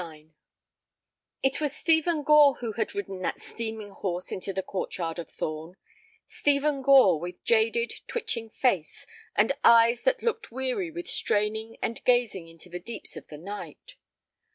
XXXIX It was Stephen Gore who had ridden that steaming horse into the court yard of Thorn—Stephen Gore, with jaded, twitching face, and eyes that looked weary with straining and gazing into the deeps of the night.